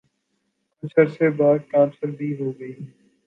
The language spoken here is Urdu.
کچھ عرصے بعد ٹرانسفر بھی ہو گئی۔